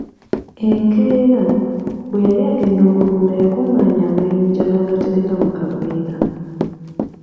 Enkeera, bwe yali agenda okulunda yakunganya amayinja n'agatereka mu kaveera.